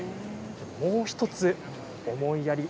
もう１つ思いやり